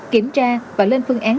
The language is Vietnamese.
kiểm tra và lên phương án